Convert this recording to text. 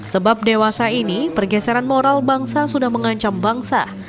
sebab dewasa ini pergeseran moral bangsa sudah mengancam bangsa